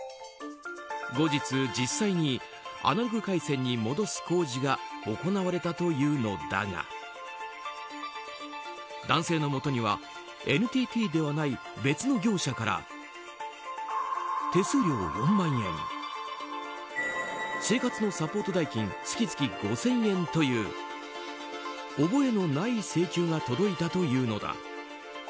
後日、実際にアナログ回線に戻す工事が行われたというのだが男性のもとにはＮＴＴではない別の業者から手数料４万円生活のサポート代金月々５０００円という覚えのない請求が届いたというのだ。